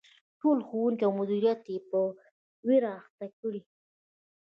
ټول ښوونکي او مدیریت یې په ویر اخته کړي.